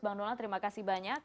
bang donald terima kasih banyak